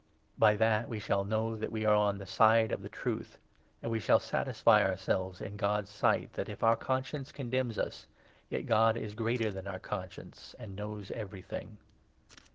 By that we shall know that we are on the side of the Truth ; 19 and we shall satisfy ourselves in God's sight, that if our 20 conscience condemns us, yet God is greater than our con science and knows everything.